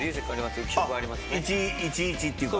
１・１っていうか。